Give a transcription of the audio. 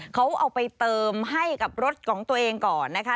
เขาเอาไปเติมให้กับรถของตัวเองก่อนนะคะ